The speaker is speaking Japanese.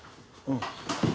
うん。